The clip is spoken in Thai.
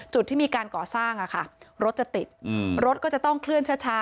จุดที่มีการก่อสร้างอะค่ะรถจะติดรถก็จะต้องเคลื่อนช้า